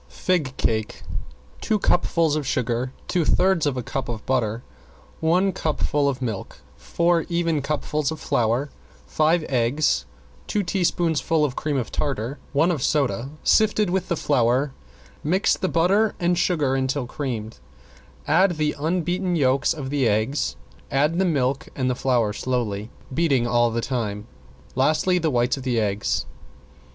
~FIG CAKE~ Two cupfuls of sugar, two thirds of a cup of butter, one cupful of milk, four even cupfuls of flour, five eggs, two teaspoonfuls of cream of tartar, one of soda, sifted with the flour, mix the butter and sugar until creamed, add the unbeaten yolks of the eggs, add the milk and the flour slowly, beating all the time, lastly the whites of the eggs.